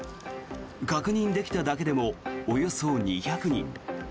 確認できただけでもおよそ２００人。